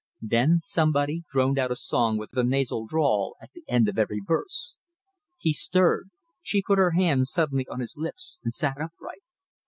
Then somebody droned out a song with a nasal drawl at the end of every verse. He stirred. She put her hand suddenly on his lips and sat upright.